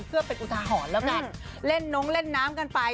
เพื่อเป็นอุทาหรในการเล่นนมเล่นน้ำไป